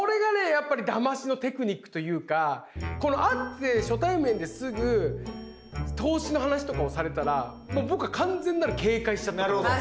やっぱりだましのテクニックというか会って初対面ですぐ投資の話とかをされたらもう僕は完全なる警戒しちゃったと思うんですよ。